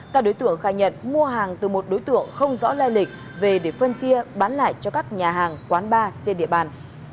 các đối tượng khai nhận mua hàng từ một đối tượng không rõ lai lịch về để phân chia bán lại cho các nhà hàng quán bar trên địa bàn